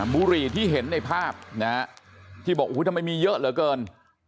บุรีที่เห็นในภาพที่บอกอุ๊ยทำไมมีเยอะเหลือเกิน